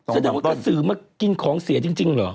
แสดงว่ากระสือมากินของเสียจริงเหรอ